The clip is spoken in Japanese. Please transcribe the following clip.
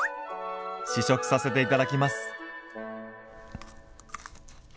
試食させていただきます。